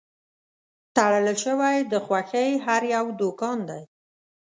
تړل شوی د خوښۍ هر یو دوکان دی